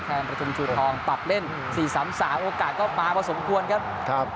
ประชุมชูทองปรับเล่น๔๓๓โอกาสก็มาพอสมควรครับ